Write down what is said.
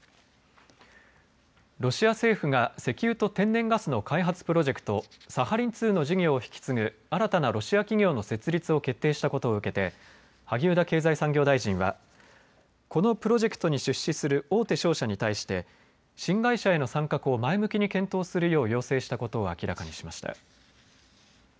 ロシア政府が石油と天然ガスの開発プロジェクト、サハリン２の事業を引き継ぐ新たなロシア企業の設立を決定したことを受けて萩生田経済産業大臣はこのプロジェクトに出資する大手商社に対して新会社への参画を前向きに検討するよう要請したことを明らかにしました。